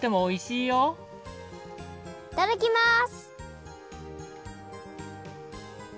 いただきます！